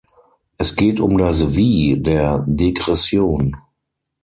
Es geht um das "Wie" der Degression.